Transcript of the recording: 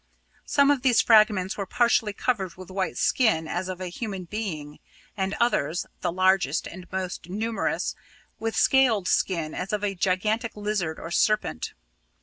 Some of these fragments were partially covered with white skin as of a human being, and others the largest and most numerous with scaled skin as of a gigantic lizard or serpent.